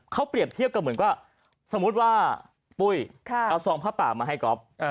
เขาเปรียบเทียบกับเหมือนว่าสมมุติว่าปุ้ยเอาซองผ้าป่ามาให้ก๊อฟ